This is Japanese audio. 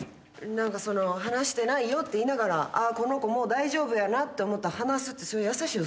何かその「離してないよ」って言いながらああこの子もう大丈夫やなって思ったら離すってそういう優しい嘘つかな。